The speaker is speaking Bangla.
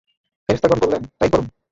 ফেরেশতাগণ বললেন, তাই করুন।